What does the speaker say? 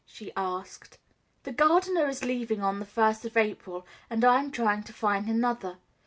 she asked. The gardener is leaving on the first of April, and I am trying to find another.